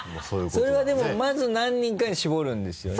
それはでもまず何人かに絞るんですよね？